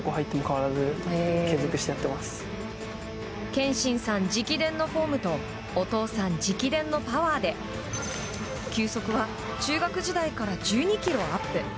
憲伸さん直伝のフォームとお父さん直伝のパワーで球速は中学時代から１２キロアップ。